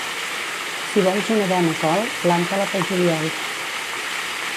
Si vols una bona col, planta-la pel juliol.